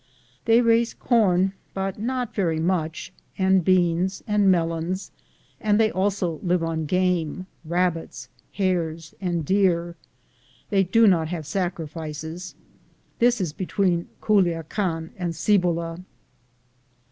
They raise corn, bnt not very much, and beans and melons, and they also live on game — rabbits, hares, and deer, They do not have sacrifices. This is between Culiacan and Cibola.